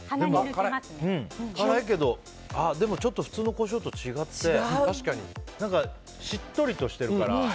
辛いけど普通のコショウと違って何かしっとりとしてるから。